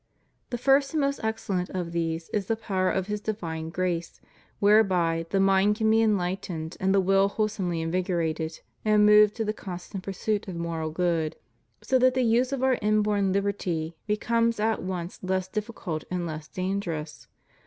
The first and most excellent of these is the power of His divine grace, whereby the mind can be enlightened and the will wholesomely invigorated and moved to the constant pursuit of moral good, so that the use of our inborn Uberty becomes at once less difficult and less dangerous.